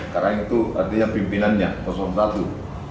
karain itu artinya pimpinannya kosong satu